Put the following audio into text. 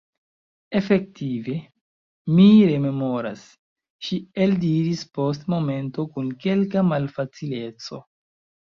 Efektive, mi rememoras, ŝi eldiris post momento kun kelka malfacileco.